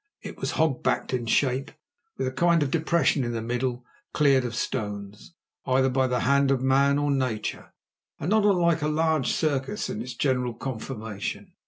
It was hog backed in shape, with a kind of depression in the middle cleared of stones, either by the hand of man or nature, and not unlike a large circus in its general conformation.